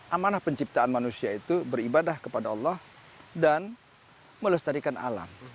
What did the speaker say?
amanah penciptaan manusia itu beribadah kepada allah dan melestarikan alam